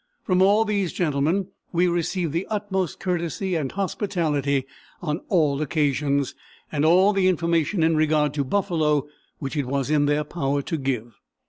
From all these gentlemen we received the utmost courtesy and hospitality on all occasions, and all the information in regard to buffalo which it was in their power to give.